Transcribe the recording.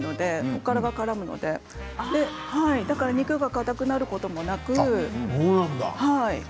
おからがからむので肉がかたくなることもなく。